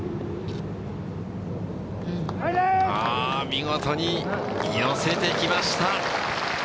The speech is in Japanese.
見事に寄せてきました。